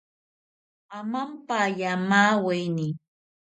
Amampaya maaweni